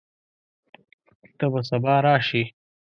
ته به سبا راشې؟